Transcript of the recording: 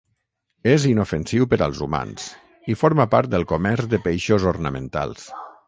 És inofensiu per als humans i forma part del comerç de peixos ornamentals.